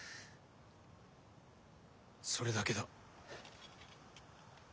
それだけだ。